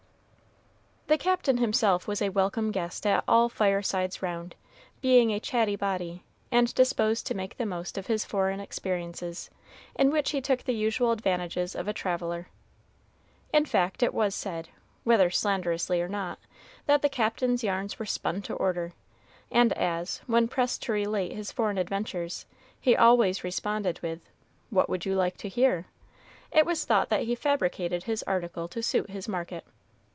The Captain himself was a welcome guest at all the firesides round, being a chatty body, and disposed to make the most of his foreign experiences, in which he took the usual advantages of a traveler. In fact, it was said, whether slanderously or not, that the Captain's yarns were spun to order; and as, when pressed to relate his foreign adventures, he always responded with, "What would you like to hear?" it was thought that he fabricated his article to suit his market.